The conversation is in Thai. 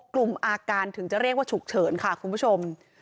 กลุ่มอาการถึงจะเรียกว่าฉุกเฉินค่ะคุณผู้ชม